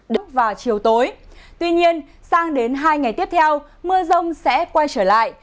đến lúc và chiều tối tuy nhiên sang đến hai ngày tiếp theo mưa rông sẽ quay trở lại